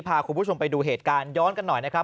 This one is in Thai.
พาคุณผู้ชมไปดูเหตุการณ์ย้อนกันหน่อยนะครับ